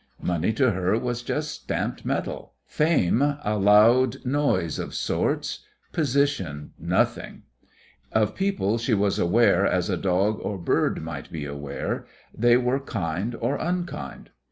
Money to her was just stamped metal, fame a loud noise of sorts, position nothing. Of people she was aware as a dog or bird might be aware they were kind or unkind.